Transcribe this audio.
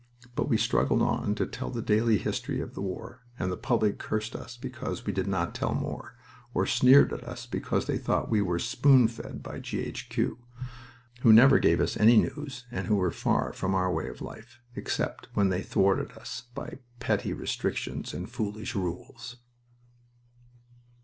But we struggled on to tell the daily history of the war and the public cursed us because we did not tell more, or sneered at us because they thought we were "spoon fed" by G. H. Q. who never gave us any news and who were far from our way of life, except when they thwarted us, by petty restrictions and foolish rules.